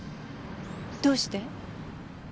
どうして？